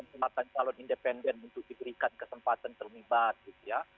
kesempatan calon independen untuk diberikan kesempatan termibat gitu ya